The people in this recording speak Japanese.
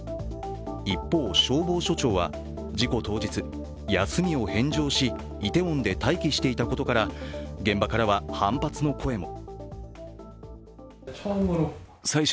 一方、消防署長は事故当日、休みを返上し、イテウォンで待機していたことから、現場からは反発の声も。